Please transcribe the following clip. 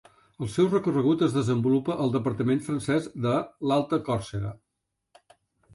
El seu recorregut es desenvolupa al departament francès de l'Alta Còrsega.